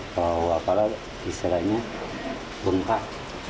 atau apalah istilahnya bengkak